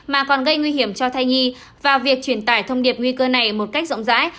mà còn gây nguy hiểm cho thai nhi và việc truyền tải thông điệp nguy cơ này một cách rộng rãi